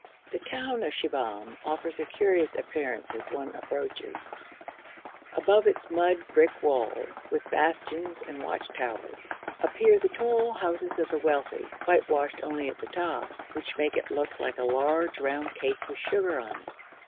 The town of Shibahm offers a curious appearance as one approaches; above its mud brick walls, with bastions and watch towers, appear the tall houses of the wealthy, whitewashed only at the top, which make it look like a large round cake with sugar on it.